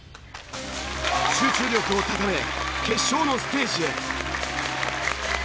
集中力を高め決勝のステージへ！